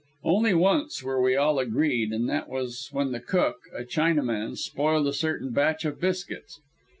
Only once were we all agreed, and that was when the cook, a Chinaman, spoiled a certain batch of biscuits.